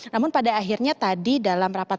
namun pada akhirnya tadi dalam rapat